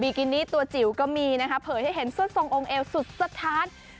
กินี่ตัวจิ๋วก็มีนะคะเผยให้เห็นเสื้อทรงองค์เอวสุดสถาน